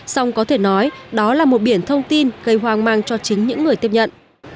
xong có thể nói đó là một biển thông tin gây hoang mang cho chính những người tiếp nhận